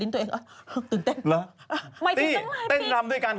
เต้นรำด้วยกัน